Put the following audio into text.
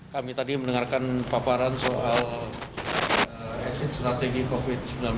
kami tadi mendengarkan paparan soal strategi covid sembilan belas